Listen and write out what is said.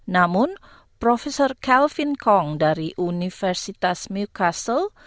namun prof kelvin kong dari universitas newcastle